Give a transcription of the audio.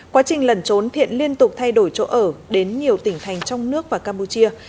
quá trình lẩn trốn thiện liên tục thay đổi chỗ ở đến nhiều tỉnh thành trong nước và campuchia